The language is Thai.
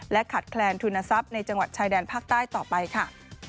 ขาดแคลนทุนทรัพย์ในจังหวัดชายแดนภาคใต้ต่อไปค่ะ